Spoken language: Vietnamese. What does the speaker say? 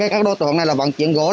các đối tượng này là vận chuyển gỗ